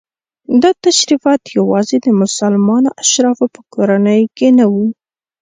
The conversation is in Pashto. دا تشریفات یوازې د مسلمانو اشرافو په کورنیو کې نه وو.